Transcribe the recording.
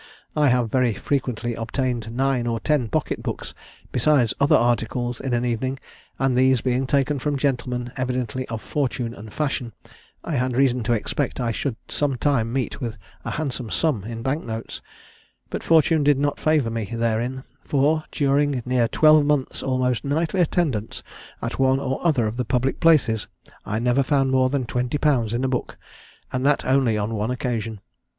I have very frequently obtained nine or ten pocket books, besides other articles in an evening; and, these being taken from gentlemen evidently of fortune and fashion, I had reason to expect I should some time meet with a handsome sum in bank notes: but fortune did not favour me therein, for, during near twelve months' almost nightly attendance at one or other of the public places, I never found more than twenty pounds in a book, and that only on one occasion.